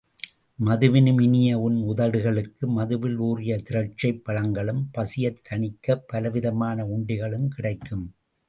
மதுவினும் இனிய உன் உதடுகளுக்கு மதுவில் ஊறிய திராட்சைப் பழங்களும், பசியைத் தணிக்கப் பலவிதமான உண்டிகளும், கிடைக்கும்!